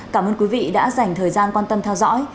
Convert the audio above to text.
cảm ơn quý vị đã dành thời gian quan tâm theo dõi